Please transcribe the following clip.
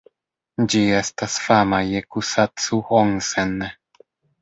Ĝi estas fama je Kusacu-Onsen.